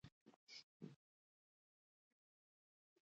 ښتې د افغانستان د طبیعي پدیدو یو رنګ دی.